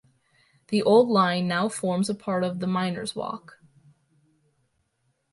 The old line now forms part of the Miners Walk.